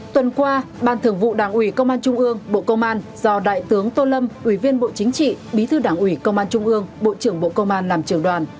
tuần qua ban thường vụ đảng ủy công an trung ương bộ công an do đại tướng tô lâm ủy viên bộ chính trị bí thư đảng ủy công an trung ương bộ trưởng bộ công an làm trường đoàn